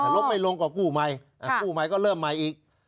ลบไม่ลงก็กู้ใหม่กู้ใหม่ก็เริ่มใหม่อีก